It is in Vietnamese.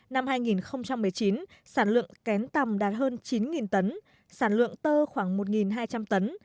năm hai nghìn một mươi chín sản lượng kén tầm đạt hơn chín tấn sản lượng tơ khoảng một hai trăm linh tấn